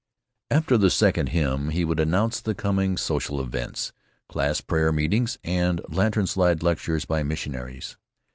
After the second hymn he would announce the coming social events—class prayer meetings and lantern slide lectures by missionaries.